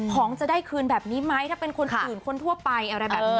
ของจะได้คืนแบบนี้ไหมถ้าเป็นคนอื่นคนทั่วไปอะไรแบบนี้